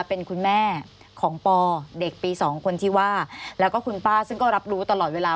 เป็นคุณแม่ของปอเด็กปี๒คนที่ว่าแล้วก็คุณป้าซึ่งก็รับรู้ตลอดเวลา